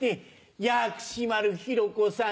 薬師丸ひろ子さん